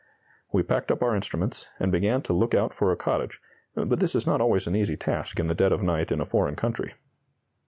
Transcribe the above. ] "We packed up our instruments, and began to look out for a cottage; but this is not always an easy task in the dead of night in a foreign country.